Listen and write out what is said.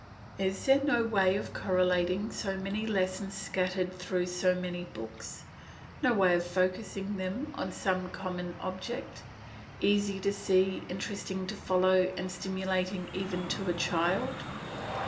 Is there no way of correlating so many lessons scattered through so many books, no way of focussing them on some common object, easy to see, interesting to follow, and stimulating even to a child?